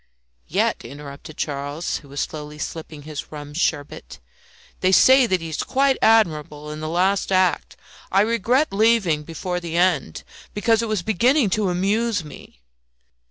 "Yet," interrupted Charles, who was slowly sipping his rum sherbet, "they say that he is quite admirable in the last act. I regret leaving before the end, because it was beginning to amuse me."